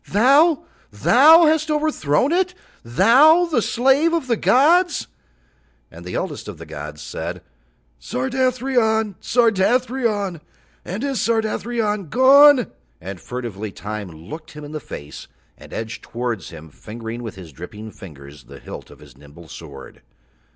Thou, thou hast overthrown it? Thou, the slave of the gods?" And the oldest of the gods said: "Sardathrion, Sardathrion, and is Sardathrion gone?" And furtively Time looked him in the face and edged towards him fingering with his dripping fingers the hilt of his nimble sword.